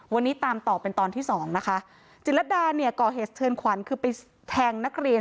วันนี้ตามต่อเป็นตอนที่สองนะคะจิตรดาเนี่ยก่อเหตุเชิญขวัญคือไปแทงนักเรียน